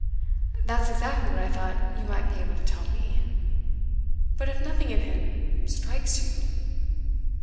"That's exactly what I thought you might be able to tell me. But if nothing, in him, strikes you